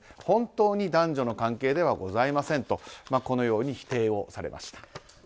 本当に男女の関係ではございませんと否定をされました。